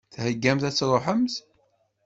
Theggamt ad tṛuḥemt?